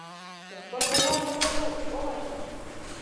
د خپل غلام له لاسه ووژل شو.